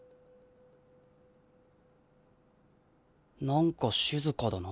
何かしずかだな。